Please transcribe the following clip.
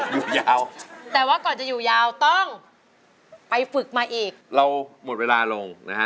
อยู่ยาวแต่ว่าก่อนจะอยู่ยาวต้องไปฝึกมาอีกเราหมดเวลาลงนะฮะ